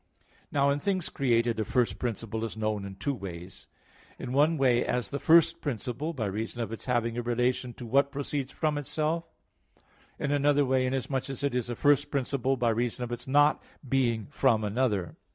Now in things created a first principle is known in two ways; in one way as the first principle, by reason of its having a relation to what proceeds from itself; in another way, inasmuch as it is a first principle by reason of its not being from another.